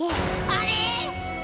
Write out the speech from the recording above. あれ？